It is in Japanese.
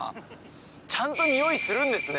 ちゃんと匂いするんですね